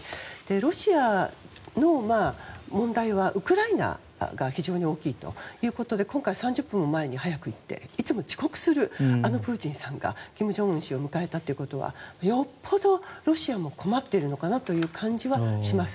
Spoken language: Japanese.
ロシアの問題はウクライナが非常に大きいということで今回、３０分も前に早く行っていつも遅刻するあのプーチンさんが金正恩氏を迎えたということはよっぽどロシアも困っているのかなという感じはします。